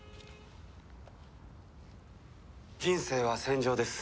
人生は戦場です。